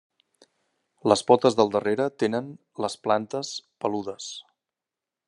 Les potes del darrere tenen les plantes peludes.